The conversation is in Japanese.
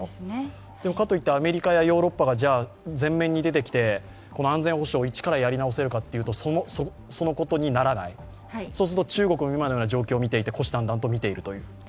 かといってアメリカやヨーロッパが前面に出てきて安全保障を一からやり直せるかといったらそのことにならない、そうすると中国も今の状況を虎視眈々と見ているという。